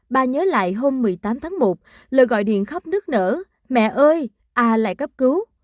bà nhớ lại hôm một mươi tám tháng một lời gọi điện khắp nước nở mẹ ơi ai lại cấp cứu